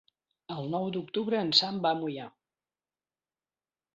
El nou d'octubre en Sam va a Moià.